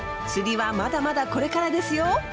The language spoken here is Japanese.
釣りはまだまだこれからですよ。